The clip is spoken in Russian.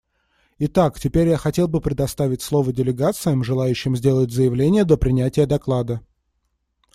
Итак, теперь я хотел бы предоставить слово делегациям, желающим сделать заявление до принятия доклада.